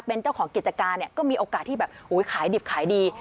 เป็นเจ้าของกิจการเนี่ยก็มีโอกาสที่แบบขายดิบขายดี